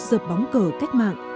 dợt bóng cờ cách mạng